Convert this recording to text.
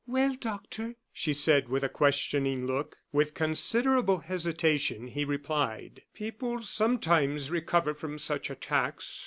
"Well, Doctor," she said, with a questioning look. With considerable hesitation, he replied: "People sometimes recover from such attacks."